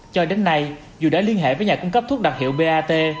cho đến nay dù đã liên hệ với nhà cung cấp thuốc đặc hiệu bat